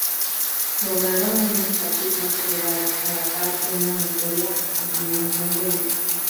Lograron un estatus más elevado, a la par que una notoria utilización política.